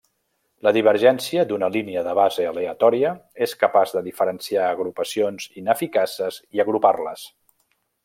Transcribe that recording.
La divergència d'una línia de base aleatòria és capaç de diferenciar agrupacions ineficaces i agrupar-les.